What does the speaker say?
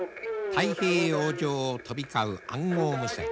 太平洋上を飛び交う暗号無線。